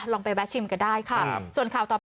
ลองไปแบบชิมก็ได้ค่ะ